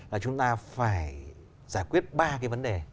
là chúng ta phải giải quyết ba cái vấn đề